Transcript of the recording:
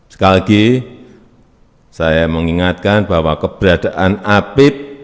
sekali lagi saya mengingatkan bahwa keberadaan apip